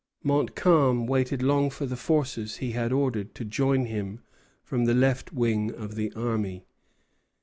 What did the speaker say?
Montcalm waited long for the forces he had ordered to join him from the left wing of the army.